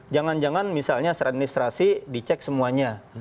jangan jangan misalnya secara administrasi dicek semuanya